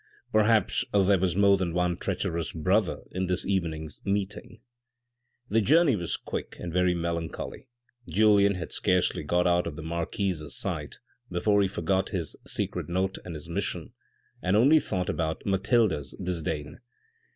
" Perhaps there was more than one treacherous brother in this evening's meeting." The journey was quick and very melancholy. Julien had scarcely got out of the marquis's sight before he forgot his secret note and his mission, and only thought about Mathilde's disdain.